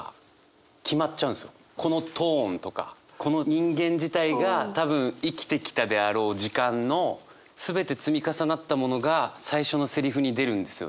このトーンとかこの人間自体が多分生きてきたであろう時間の全て積み重なったものが最初のセリフに出るんですよね。